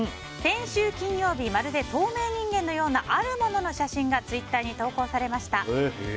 先週金曜日まるで透明人間のようなあるものの写真がツイッターに投稿されました。